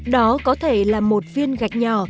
đó có thể là một viên gạch nhỏ